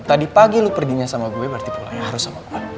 tadi pagi lu pergi sama gue berarti pulang ya harus sama gue